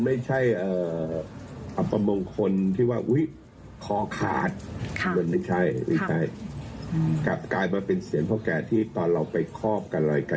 อืมมองเป็นสิ่งมงคลในชีวิตนะคะอ่า